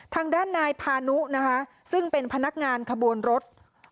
ทางด้านนายพานุนะคะซึ่งเป็นพนักงานขบวนรถ